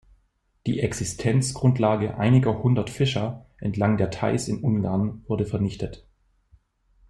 Die Existenzgrundlage einiger hundert Fischer entlang der Theiß in Ungarn wurde vernichtet.